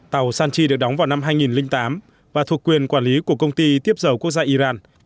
tàu sanchi được đóng vào năm hai nghìn tám và thuộc quyền quản lý của công ty tiếp dầu quốc gia iran